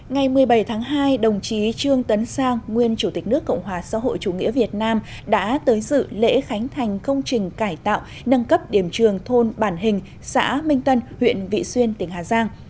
ngày một mươi bảy tháng hai đồng chí trương tấn sang nguyên chủ tịch nước cộng hòa xã hội chủ nghĩa việt nam đã tới dự lễ khánh thành công trình cải tạo nâng cấp điểm trường thôn bản hình xã minh tân huyện vị xuyên tỉnh hà giang